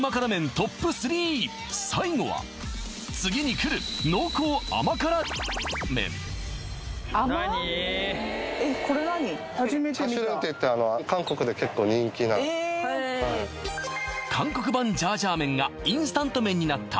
ＴＯＰ３最後はチャシュレンっていって韓国版ジャージャー麺がインスタント麺になった